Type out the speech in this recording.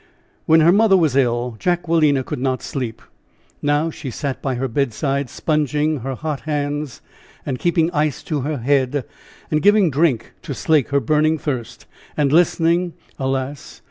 When her mother was ill, Jacquelina could not sleep. Now she sat by her bedside sponging her hot hands and keeping ice to her head and giving drink to slake her burning thirst and listening, alas!